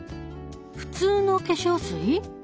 普通の化粧水？